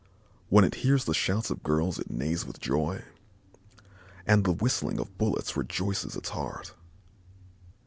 When it hears the shouts of girls it neighs with joy, and the whistling of bullets rejoices its heart.